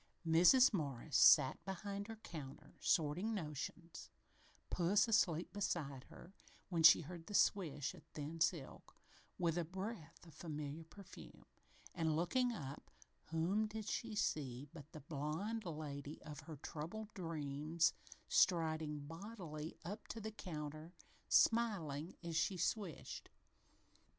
Mrs. Morris sat behind her counter, sorting notions, puss asleep beside her, when she heard the swish of thin silk, with a breath of familiar perfume, and, looking up, whom did she see but the blond lady of her troubled dreams striding bodily up to the counter, smiling as she swished.